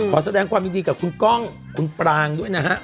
ขอแสดงความยินดีกับคุณก้องคุณปรางด้วยนะฮะ